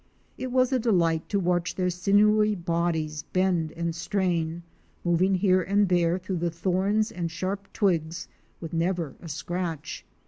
It was a delight to watch their sinewy bodies bend and strain, moving here and there through the thorns and sharp twigs with never a scratch.